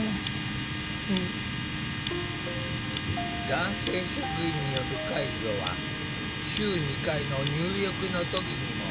男性職員による介助は週２回の入浴の時にも。